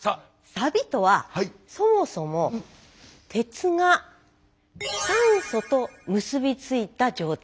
サビとはそもそも鉄が酸素と結び付いた状態。